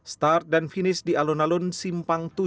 start dan finish di alun alun simpang tujuh